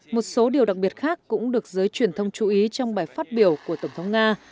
một số điều đặc biệt khác cũng được giới truyền thông chú ý trong bài phát biểu của tổng thống nga